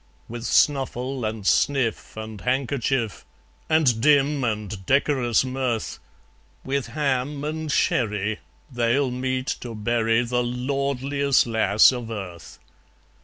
With snuffle and sniff and handkerchief, And dim and decorous mirth, With ham and sherry, they'll meet to bury The lordliest lass of earth.